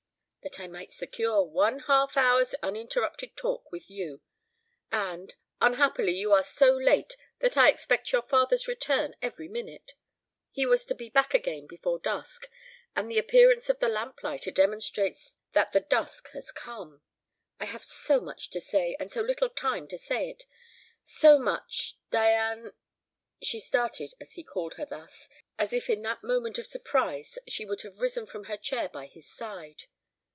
"That I might secure one half hour's uninterrupted talk with you; and, unhappily, you are so late that I expect your father's return every minute. He was to be back again before dusk, and the appearance of the lamplighter demonstrates that the dusk has come. I have so much to say, and so little time to say it; so much, Diane " She started as he called her thus, as if in that moment of surprise she would have risen from her chair by his side.